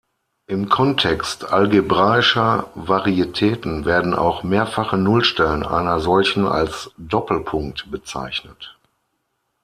Im Kontext algebraischer Varietäten werden auch mehrfache Nullstellen einer solchen als "Doppelpunkt" bezeichnet.